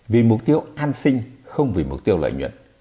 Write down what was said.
vì mục tiêu an sinh không vì mục tiêu lợi nhuận